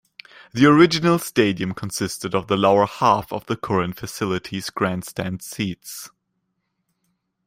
The original stadium consisted of the lower half of the current facility's grandstand seats.